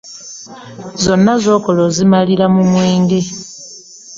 Zonna z'okola ozimalira mu mwenge.